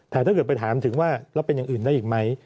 แต่ถ้าเกิดไปถามถึงว่าแล้วเป็นอย่างอื่นได้อีกไหม